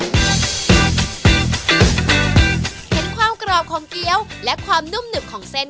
เห็นความกรอบของเกี้ยวและความนุ่มหนึบของเส้น